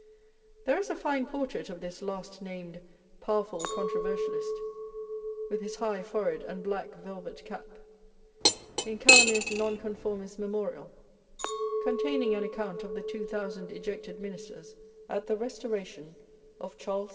There is a fine portrait of this last named powerful con troversialist, with his high forehead and black velvet cap, in Calamy's Nonconformist's Memorial, containing an ac count of the Two Thousand Ejected Ministers at the Restoration of Charles II.